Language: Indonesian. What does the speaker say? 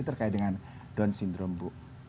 terkait dengan down syndrome bu